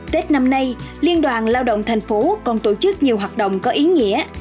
tết năm nay liên đoàn lao động thành phố còn tổ chức nhiều hoạt động có ý nghĩa